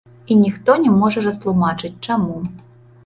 І ніхто не можа растлумачыць, чаму.